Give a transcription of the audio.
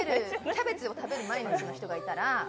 キャベツを食べる毎日の人がいたら。